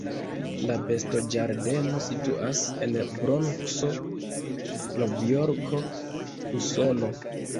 La bestoĝardeno situas en Bronkso, Novjorko, Usono.